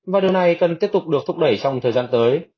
và điều này cần tiếp tục được thúc đẩy trong thời gian tới